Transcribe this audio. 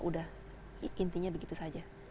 udah intinya begitu saja